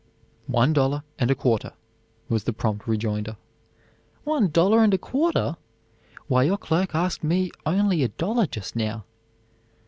"One dollar and a quarter," was the prompt rejoinder. "One dollar and a quarter! Why, your clerk asked me only a dollar just now."